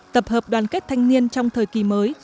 tập hợp đoàn kết thanh niên trong thời kỳ mới